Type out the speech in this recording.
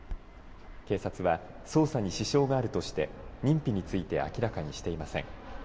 警察は、捜査に支障があるとして認否について明らかにしていません。